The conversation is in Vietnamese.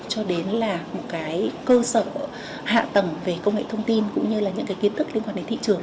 cho đến là một cái cơ sở hạ tầng về công nghệ thông tin cũng như là những cái kiến thức liên quan đến thị trường